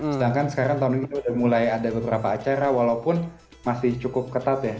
sedangkan sekarang tahun ini sudah mulai ada beberapa acara walaupun masih cukup ketat ya